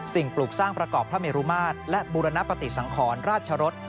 ปลูกสร้างประกอบพระเมรุมาตรและบูรณปฏิสังขรราชรส